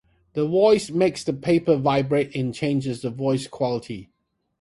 The voice makes the paper vibrate and changes the voice quality.